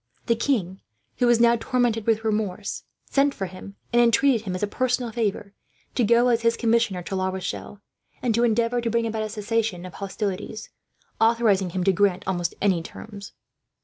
The king, who was now tormented with remorse, sent for him; and entreated him, as a personal favour, to go as his Commissioner to La Rochelle, and to endeavour to bring about a cessation of hostilities, authorizing him to grant almost any terms.